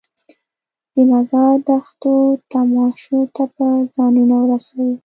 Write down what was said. د مزار د دښتو تماشو ته به ځانونه رسوو.